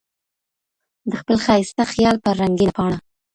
د خپل ښايسته خيال پر رنګينه پاڼه